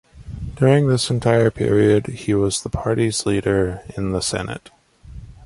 During this entire period he was the party's leader in the Senate.